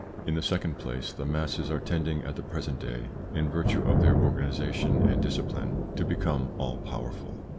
In the second place, the masses are tending at the present day, in virtue of their organisation and discipline, to become all powerful.